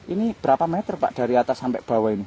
ini berapa meter pak dari atas sampai bawah ini